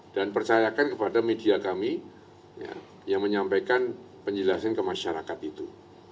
dan percayakan kepada media kami yang menyampaikan penjelasan ke masyarakat itu